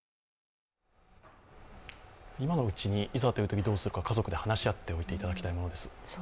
今のうちにいざというとき、どうするか、家族で話し合っておいてもらいたいものです。